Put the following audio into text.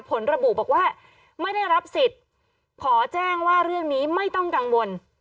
ผลระบุบอกว่าไม่ได้รับสิทธิ์ขอแจ้งว่าเรื่องนี้ไม่ต้องกังวล